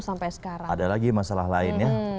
sampai sekarang ada lagi masalah lainnya